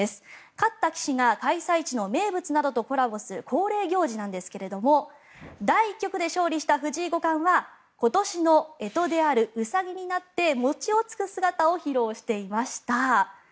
勝った棋士が開催地の名物などとコラボする恒例行事なんですが第１局で勝利した藤井五冠は今年の干支であるウサギになって餅をつく姿を披露していました。